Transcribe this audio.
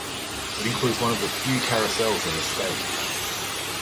It includes one of the few carousels in the state.